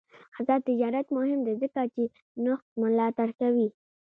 آزاد تجارت مهم دی ځکه چې نوښت ملاتړ کوي.